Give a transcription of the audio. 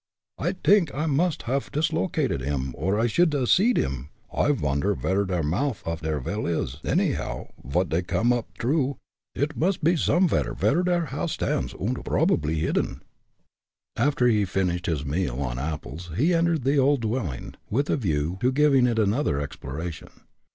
"I t'ink I must haff dislocated 'im or I should 'a' seed him. I vonder vere der mouth off der well is, anyhow, vot dey come up t'rough. Id must pe somevere's vere der house stands, und probably hidden." After he finished his meal on apples, he entered the old dwelling, with a view to giving it another exploration.